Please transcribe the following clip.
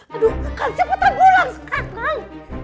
aduh kakak cepetan pulang sekarang